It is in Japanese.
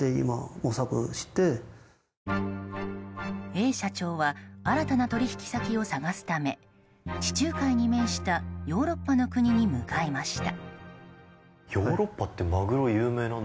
Ａ社長は新たな取引先を探すため地中海に面したヨーロッパの国に向かいました。